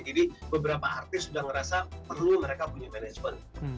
jadi beberapa artis sudah merasa perlu mereka punya management